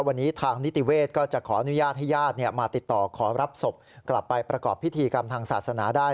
วันนี้ทางนิติเวศก็จะขออนุญาตให้ญาติมาติดต่อขอรับศพกลับไปประกอบพิธีกรรมทางศาสนาได้